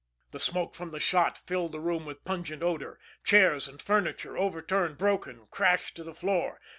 The smoke from the shot filled the room with pungent odor. Chairs and furniture, overturned, broken, crashed to the floor.